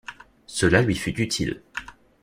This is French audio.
Cela lui fut utile.